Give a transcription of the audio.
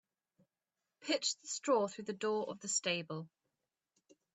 Pitch the straw through the door of the stable.